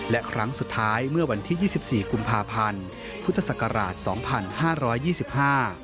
และครั้งสุดท้ายเมื่อวันที่๒๔กุมภาพันธ์พุทธศักราช๒๕๒๕